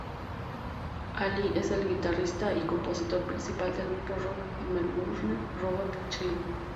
Aly es el guitarrista y compositor principal del grupo rock de Melbourne, Robot Child.